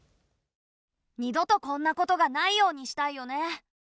二度とこんなことがないようにしたいよね。